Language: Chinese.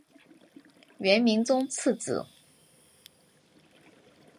元明宗次子。